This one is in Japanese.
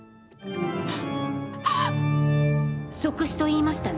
即死と言いましたね？